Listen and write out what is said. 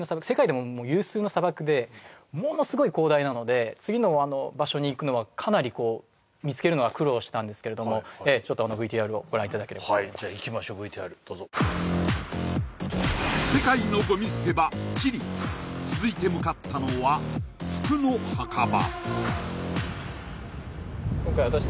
ホントに次の場所に行くのはかなりこう見つけるのは苦労したんですけれどもええちょっとＶＴＲをご覧いただければはいじゃいきましょうＶＴＲどうぞ世界のごみ捨て場チリ続いて向かったのは服の墓場